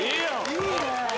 いいねえ。